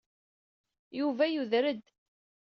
Yuba yuder-d.